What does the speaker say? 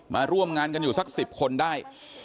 มาร่วมงานกันอยู่สัก๑๐คนได้